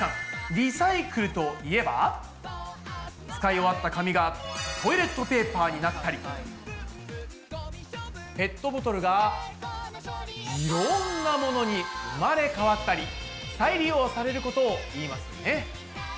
リサイクルといえば使い終わった紙がトイレットペーパーになったりペットボトルがいろんなものに生まれ変わったり再利用されることを言いますよね。